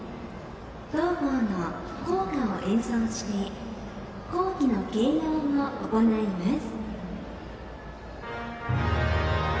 同校の校歌を演奏して校旗の掲揚を行います。